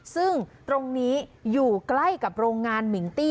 ซึ่งตรงนี้อยู่ใกล้กับโรงงานมิงตี้